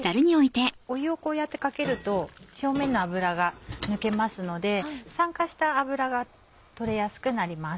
湯をこうやってかけると表面の油が抜けますので酸化した油が取れやすくなります。